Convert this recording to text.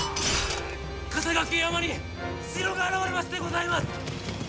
笠懸山に城が現れましてございます！